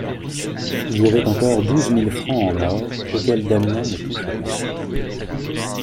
Il y avait encore douze mille francs en or auxquels Damiens ne toucha pas.